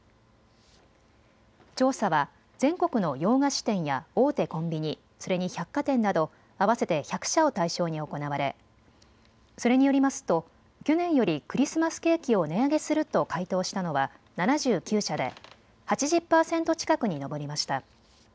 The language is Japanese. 調査は全国の洋菓子店や大手コンビニ、それに百貨店など合わせて１００社を対象に行われそれによりますと、去年よりクリスマスケーキを値上げすると回答したのは７９社で８０％近くに上りました。